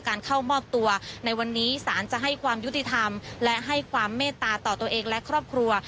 เข้ามอบตัวในวันนี้สารจะให้ความยุติธรรมและให้ความเมตตาต่อตัวเองและครอบครัว